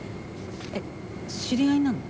えっ知り合いなの？